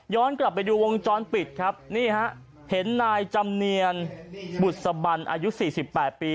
กลับไปดูวงจรปิดครับนี่ฮะเห็นนายจำเนียนบุษบันอายุ๔๘ปี